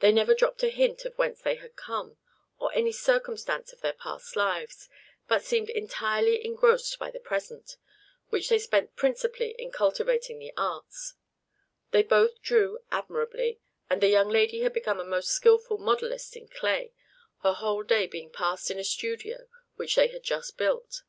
They never dropped a hint of whence they had come, or any circumstance of their past lives, but seemed entirely engrossed by the present, which they spent principally in cultivating the arts; they both drew admirably, and the young lady had become a most skilful modellist in clay, her whole day being passed in a studio which they had just built.